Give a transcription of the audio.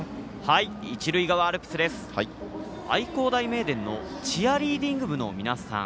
愛工大名電のチアリーディング部の皆さん